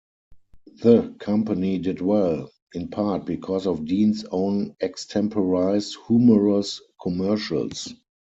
The company did well, in part because of Dean's own extemporized, humorous commercials.